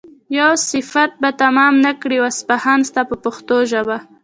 یو صفت به تمام نه کړي واصفان ستا په پښتو ژبه.